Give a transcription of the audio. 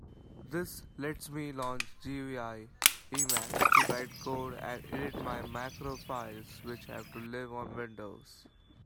This lets me launch GUI Emacs to write code and edit my macro files which have to live on Windows.